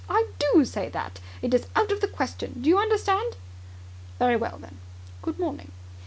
I do say that! It is out of the question. Do you understand? Very well, then. Good morning."